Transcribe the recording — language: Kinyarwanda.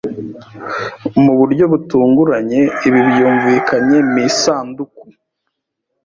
Mu buryo butunguranye ibi byumvikanye mu isanduku